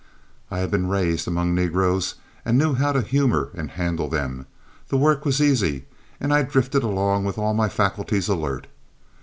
I had been raised among negroes, knew how to humor and handle them, the work was easy, and I drifted along with all my faculties alert.